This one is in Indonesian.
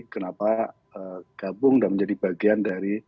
kenapa gabung dan menjadi bagian dari